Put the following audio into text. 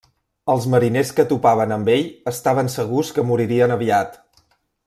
Els mariners que topaven amb ell estaven segurs que moririen aviat.